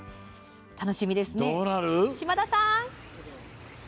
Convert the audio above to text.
楽しみですね、嶋田さん！